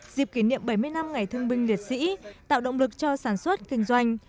dịp kỷ niệm bảy mươi năm ngày thương binh liệt sĩ tạo động lực cho sản xuất kinh doanh